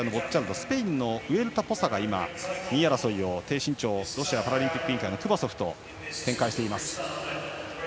スペインのウエルタポサが２位争いをロシアパラリンピック委員会のクバソフと展開しています。